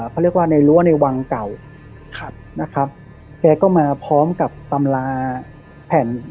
เขาเรียกว่าในรั้วในวังเก่าครับนะครับแกก็มาพร้อมกับตำราแผ่น